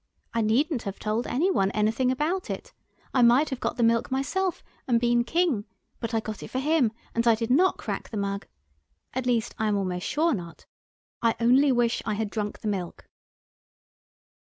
I needn't have told any one anything about it. I might have got the milk myself and been King, but I got it for him, and I did not crack the mug. At least, I am almost sure not. I only wish I had drunk the milk."